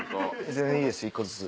全然いいです１個ずつ。